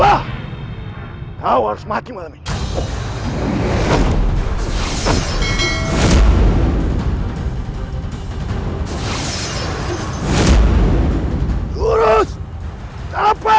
aku harus mencari tempat yang lebih aman